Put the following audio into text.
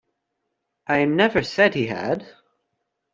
I never said he had.